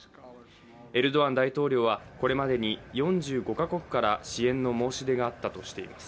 エルドアン大統領はこれまでに４５か国から支援の申し出があったとしています。